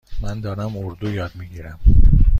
من دارم اردو یاد می گیرم.